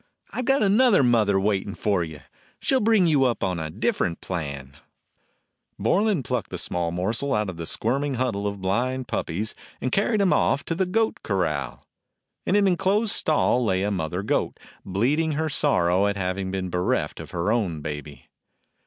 I 've got another mother waitin' for you. She 'll bring you up on a different plan." 3 DOG HEROES OF MANY LANDS Borlan plucked the small morsel out of the squirming huddle of blind puppies, and carried him off to the goat corral. In an inclosed stall lay a mother goat, bleating her sorrow at having been bereft of her own baby.